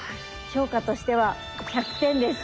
評価としては１００点です。